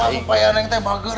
upaya neng tuh bager